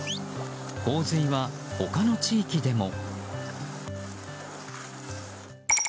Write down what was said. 洪水は他の地域でも。